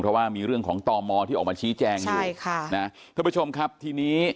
เพราะว่ามีเรื่องของตอมมอร์ที่ออกมาชี้แจงอยู่ท่านผู้ชมครับทีนี้